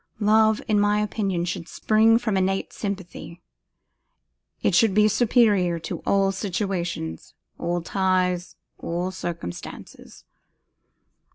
Love, in my opinion, should spring from innate sympathy; it should be superior to all situations, all ties, all circumstances.